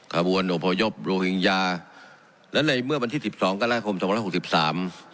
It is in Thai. ขบวนอพยพโรหิงญาและในเมื่อวันที่สิบสองกรกฎาคมสองพันหกสิบสาม